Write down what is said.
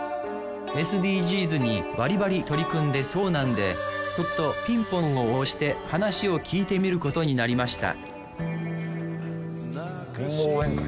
ＳＤＧｓにバリバリ取り組んでそうなんでそっとピンポンを押して話を聞いてみることになりましたりんご応援会。